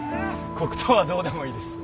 黒糖はどうでもいいです。